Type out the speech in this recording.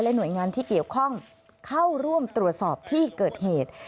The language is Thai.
และหน่วยงานที่เกี่ยวข้อบิวสินค้าเข้าร่วมตรวจสอบที่เกิดเหตุ